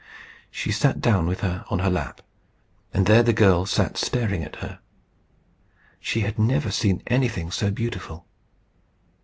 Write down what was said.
She sat down with her on her lap, and there the girl sat staring at her. She had never seen anything so beautiful.